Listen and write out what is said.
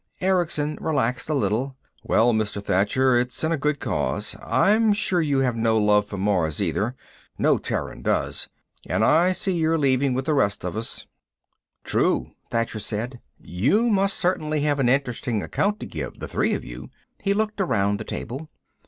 Erickson relaxed a little. "Well, Mr. Thacher, it's in a good cause. I'm sure you have no love for Mars, either. No Terran does. And I see you're leaving with the rest of us." "True," Thacher said. "You must certainly have an interesting account to give, the three of you." He looked around the table.